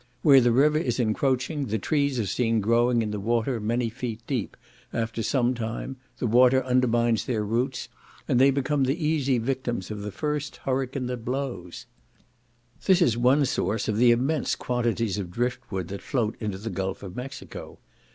Where the river is encroaching, the trees are seen growing in the water many feet deep; after some time, the water undermines their roots, and they become the easy victims of the first hurricane that blows. This is one source of the immense quantities of drift wood that float into the gulf of Mexico.